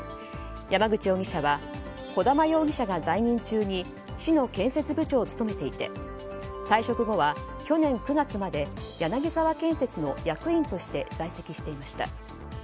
山口容疑者は児玉容疑者が在任中に市の建設部長を務めていて退職後は去年９月まで柳沢建設の役員として在籍していました。